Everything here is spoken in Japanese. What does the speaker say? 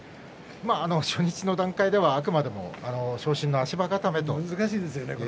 初日の段階ではあくまでも昇進の足場固めという難しいですよね